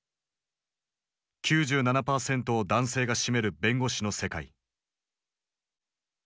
９７％を男性が占める弁護士の世界。